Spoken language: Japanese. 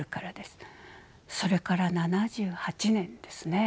それから７８年ですね。